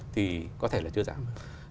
thì có thể là chưa giảm được